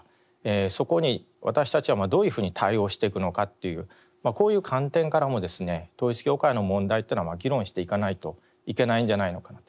そこに私たちはどういうふうに対応していくのかっていうこういう観点からもですね統一教会の問題っていうのは議論していかないといけないんじゃないのかなと。